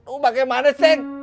oh bagaimana cek